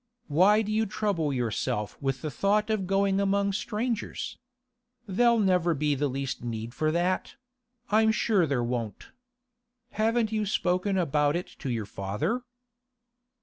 Why do you trouble yourself with the thought of going among strangers? There'll never be the least need for that; I'm sure there won't. Haven't you spoken about it to your father?